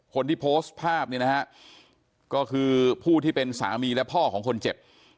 คนที่โพสต์ภาพเนี่ยนะฮะก็คือผู้ที่เป็นสามีและพ่อของคนเจ็บ